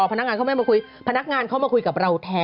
พนักงานเขาไม่มาคุยพนักงานเข้ามาคุยกับเราแทน